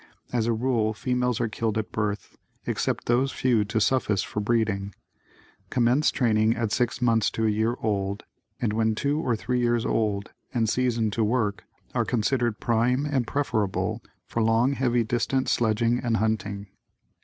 As a rule females are killed at birth, except those few to suffice for breeding. Commence training at six months to a year old and when two or three years old and seasoned to work are considered prime and preferable for long heavy distant sledging and hunting.